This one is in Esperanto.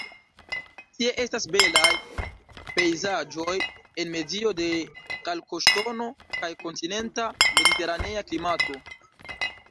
Tie estas belaj pejzaĝoj en medio de kalkoŝtono kaj kontinenta-mediteranea klimato.